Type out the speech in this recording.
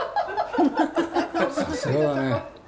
さすがだね。